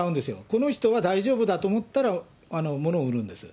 この人は大丈夫だと思ったら、ものを売るんです。